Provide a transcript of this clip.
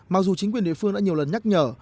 mặc dù chính quyền địa phương đã nhiều lần nhắc nhở